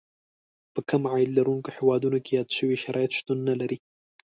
په کم عاید لرونکو هېوادونو کې یاد شوي شرایط شتون نه لري.